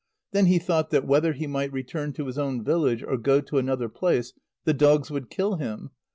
Then he thought that, whether he might return to his own village, or go to another place, the dogs would kill him.